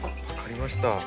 分かりました。